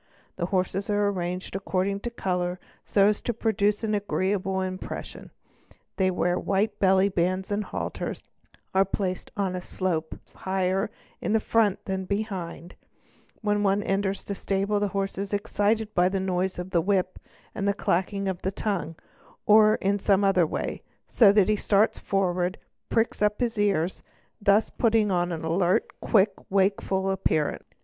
The horses are arranged according to colour so as to produce an fgreeable impression, they wear white belly bands and halters, are placed DAY HAE ES, AN EON I AS A I upon a slope higher in front than behind; when one enters the stable the 10rse is excited by the noise of the whip, the clacking of the tongue, or m some other way, so that he starts forward and pricks up his ears, thus yutting on an alert, quick, and wakeful appearance.